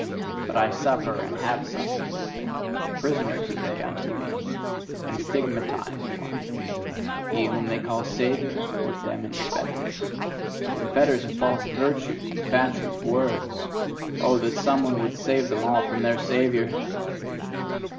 But I suffer and have suffered with them: prisoners are they unto me, and stigmatised ones. He whom they call Saviour put them in fetters: In fetters of false values and fatuous words! Oh, that some one would save them from their Saviour!